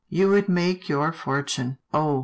You would make your fortune." " Oh !